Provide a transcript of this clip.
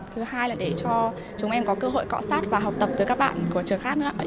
thứ hai là để cho chúng em có cơ hội cọ sát và học tập tới các bạn của trường khác nữa